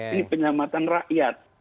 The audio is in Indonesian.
ini penyelamatan rakyat